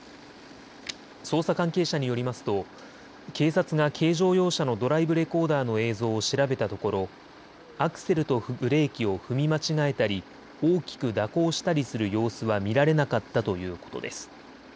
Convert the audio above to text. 捜査関係者によりますと警察が軽乗用車のドライブレコーダーの映像を調べたところアクセルとブレーキを踏み間違えたり、大きく蛇行したりする様子は見られなかったということです。